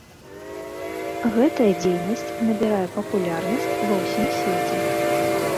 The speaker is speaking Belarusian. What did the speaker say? Гэтая дзейнасць набірае папулярнасць ва ўсім свеце.